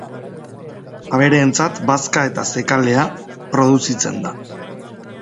Abereentzat bazka eta zekalea produzitzen da.